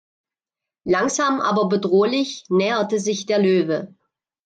Langsam aber bedrohlich näherte sich der Löwe.